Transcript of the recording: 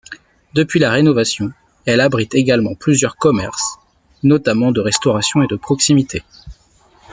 Depuis la rénovation, elle abrite également plusieurs commerces, notamment de restauration et de proximité.